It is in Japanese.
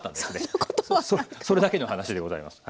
それだけの話でございます。